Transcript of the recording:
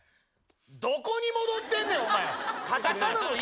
どこに戻ってんねん。